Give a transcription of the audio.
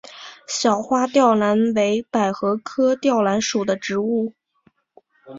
小花吊兰为百合科吊兰属的植物。